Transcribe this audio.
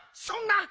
そんな！